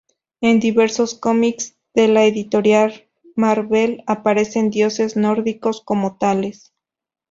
En diversos cómics de la editorial Marvel aparecen dioses nórdicos como tales.